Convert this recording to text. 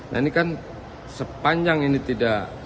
nah ini kan sepanjang ini tidak